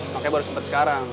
makanya baru sempet sekarang